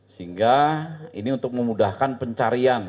sehingga ini untuk memudahkan pencarian